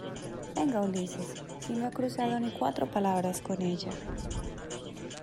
venga, Ulises , si no he cruzado ni cuatro palabras con ella.